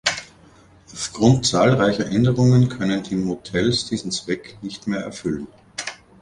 Aufgrund zahlreicher Änderungen können die Motels diesen Zweck nicht mehr erfüllen.